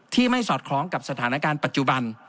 ไม่สอดคล้องกับสถานการณ์ปัจจุบัน